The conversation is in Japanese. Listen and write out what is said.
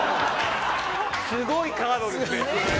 すごいカードですね。